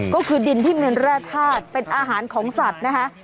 ก็คือดินที่มีแร่ธาตุเป็นอาหารของสัตว์นะคะ